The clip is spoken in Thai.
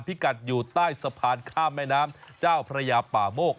พิกัดอยู่ใต้สะพานข้ามแม่น้ำเจ้าพระยาป่าโมก